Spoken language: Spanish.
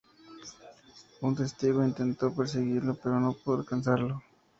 Un testigo intentó perseguirlo pero no pudo alcanzarlo.